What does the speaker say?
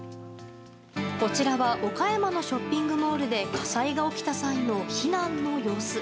こちらは岡山のショッピングモールで火災が起きた際の避難の様子。